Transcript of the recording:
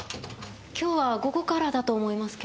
今日は午後からだと思いますけど。